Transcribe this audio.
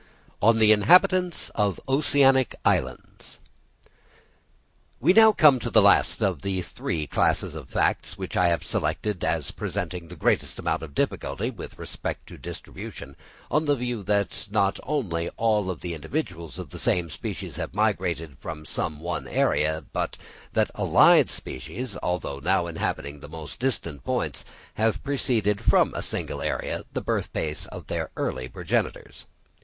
On the Inhabitants of Oceanic Islands. We now come to the last of the three classes of facts, which I have selected as presenting the greatest amount of difficulty with respect to distribution, on the view that not only all the individuals of the same species have migrated from some one area, but that allied species, although now inhabiting the most distant points, have proceeded from a single area, the birthplace of their early progenitors.